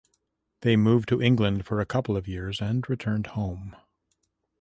They moved to England for a couple of years and returned home.